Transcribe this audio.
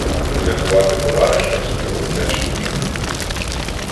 Урятувати товариша своїх дитячих ігор?